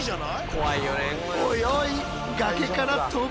怖いよね。